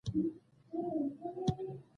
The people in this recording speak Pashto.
سپینه خوله دې غونډه منډه.